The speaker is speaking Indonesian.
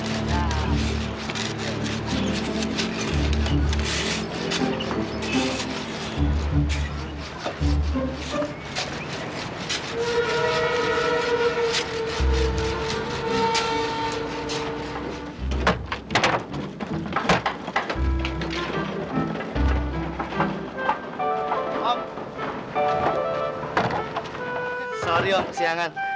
maaf om kesianan